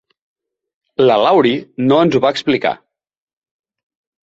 La Laurie no es ho va explicar.